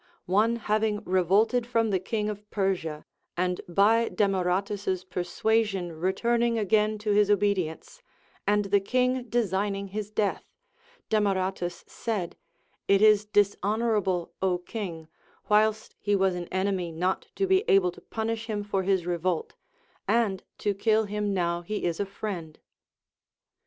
One having revolted from the king of Persia, and by Demaratus's persuasion returning again to his obedience, and the king design ing his death, Demaratus said : It is dishonorable, Ο king, whilst he was an enemy not to be able to punish him for his revolt, and to kill him now he is a friend.